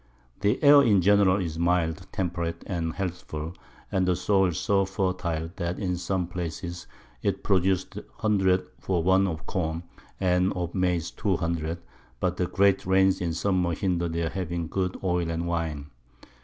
_] The Air in general is mild, temperate and healthful, and the Soil so fertile, that in some places it produces 100 for one of Corn, and of Maiz 200; but the great Rains in Summer hinder their having good Oil and Wine.